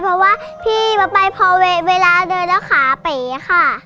เพราะว่าพี่พอไปเพราะเวลาเดินแล้วขาไป